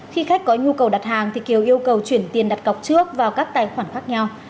khi khách có nhu cầu đặt hàng thì kiều yêu cầu chuyển tiền đặt cọc trước vào các tài khoản khác nhau